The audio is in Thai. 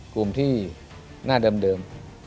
กลุ่มที่หน้าเดิม